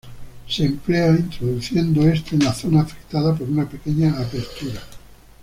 Se emplea introduciendo este en la zona afectada por una pequeña abertura.